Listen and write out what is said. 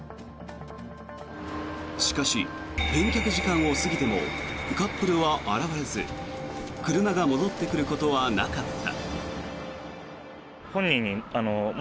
しかし、返却時間を過ぎてもカップルは現れず車が戻ってくることはなかった。